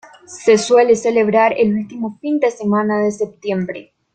Se suele celebrar el último fin de semana de septiembre.